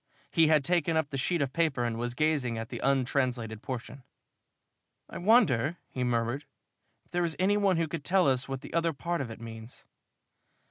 He had taken up the sheet of paper and was gazing at the untranslated portion. "I wonder," he murmured, "if there is any one who could tell us what the other part of it means?"